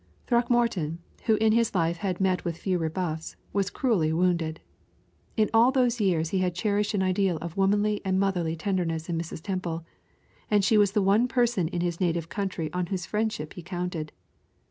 Throckmorton, who in his life had met with few rebuffs, was cruelly wounded. In all those years he had cherished an ideal of womanly and motherly tenderness in Mrs. Temple, and she was the one person in his native county on whose friendship he counted.